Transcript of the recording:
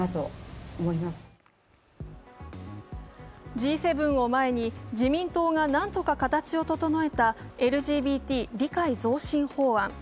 Ｇ７を前に自民党が何とか形を整えたＬＧＢＴ理解増進法案。